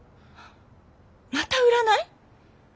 また占い？